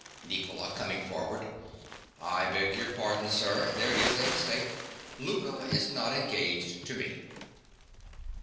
NICOLA. (_coming forward _). I beg your pardon, sir. There is a mistake. Louka is not engaged to me.